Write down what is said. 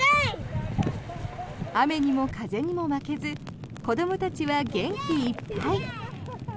雨にも風にも負けず子どもたちは元気いっぱい。